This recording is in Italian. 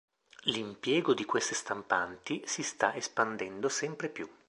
L'impiego di queste stampanti si sta espandendo sempre più.